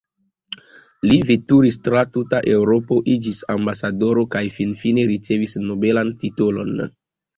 Li veturis tra tuta Eŭropo, iĝis ambasadoro kaj finfine ricevis nobelan titolon.